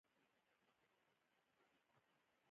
توبه د زړه پاکوالی ده.